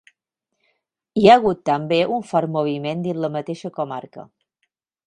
Hi ha hagut també un fort moviment dins la mateixa comarca.